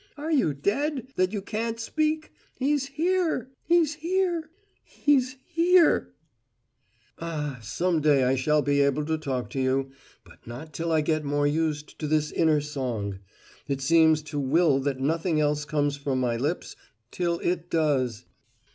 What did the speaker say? Are you dead, that you can't speak? He's here, he's here, he's here!' "Ah, some day I shall be able to talk to you but not till I get more used to this inner song. It seems to will that nothing else shall come from my lips till it does!